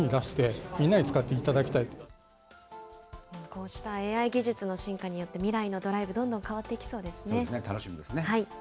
こうしたＡＩ技術の進化によって、未来のドライブ、どんどん楽しみですね。